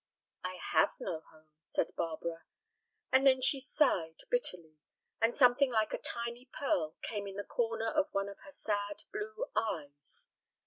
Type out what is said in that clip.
"I have no home," said Barbara; and then she sighed bitterly, and something like a tiny pearl came in the corner of one of her sad blue eyes.